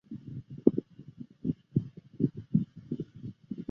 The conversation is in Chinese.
姚李遗址的历史年代为新石器时代至青铜时代。